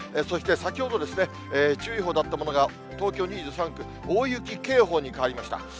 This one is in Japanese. そして先ほど、注意報だったものが、東京２３区、大雪警報に変わりました。